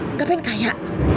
nggak pengen kaya